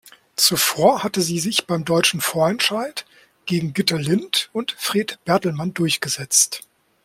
Zuvor hatte sie sich beim deutschen Vorentscheid gegen Gitta Lind und Fred Bertelmann durchgesetzt.